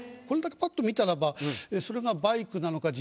これだけパッと見たらばそれが。